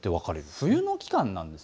冬の期間なんです。